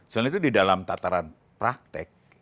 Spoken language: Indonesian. selain itu di dalam tataran praktek